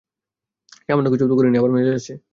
সামান্য কিছুও তো করেনি আবার মেজাজ আছে।